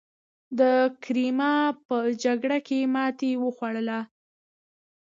د کریمیا په جګړه کې ماتې وخوړه.